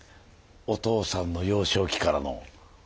お父さんの幼少期からの。